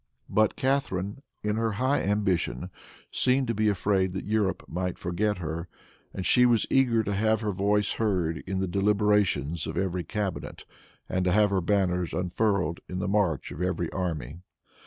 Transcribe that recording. But Catharine, in her high ambition, seemed to be afraid that Europe might forget her, and she was eager to have her voice heard in the deliberations of every cabinet, and to have her banners unfurled in the march of every army.